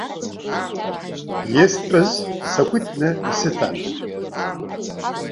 Истәыз сақәиҭны исыҭан.